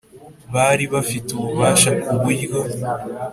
Bari bafite ububasha ku buryo